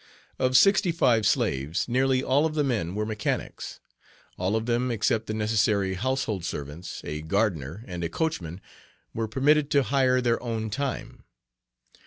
Of sixty five slaves nearly all of the men were mechanics. All of them except the necessary household servants, a gardener, and a coachman, were permitted to hire their own time.